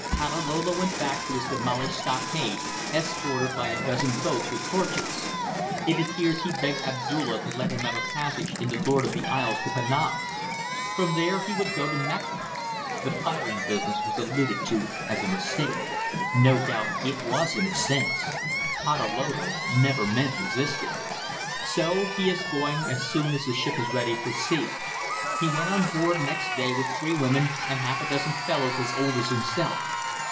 Patalolo went back to his demolished stockade, escorted by a dozen boats with torches. It appears he begged Abdulla to let him have a passage in the Lord of the Isles to Penang. From there he would go to Mecca. The firing business was alluded to as a mistake. No doubt it was in a sense. Patalolo never meant resisting. So he is going as soon as the ship is ready for sea. He went on board next day with three women and half a dozen fellows as old as himself.